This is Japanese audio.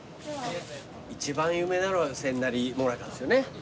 一番有名なのは千成もなかですよね。